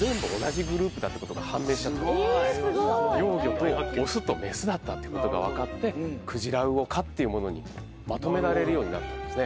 ２００９年にすごい幼魚とオスとメスだったっていうことが分かってクジラウオ科っていうものにまとめられるようになったんですね